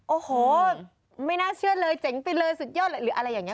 โอ้โหไม่น่าเชื่อเลยเจ๋งไปเลยสุดยอดเลยหรืออะไรอย่างนี้